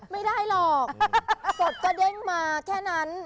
ไม่ได้หรอกกดกระเด้งมาแค่นั้น